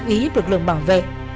ý lực lượng bảo vệ